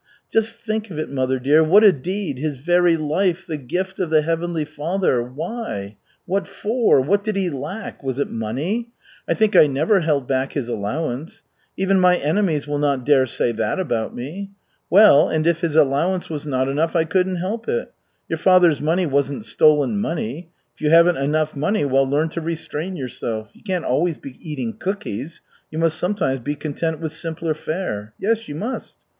Just think of it, mother dear, what a deed! His very life, the gift of the Heavenly Father. Why? What for? What did he lack? Was it money? I think I never held back his allowance. Even my enemies will not dare say that about me. Well, and if his allowance was not enough, I couldn't help it. Your father's money wasn't stolen money. If you haven't enough money, well, learn to restrain yourself. You can't always be eating cookies, you must sometimes be content with simpler fare. Yes, you must.